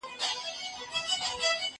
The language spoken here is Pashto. زه به سبا ليکلي پاڼي ترتيب کړم!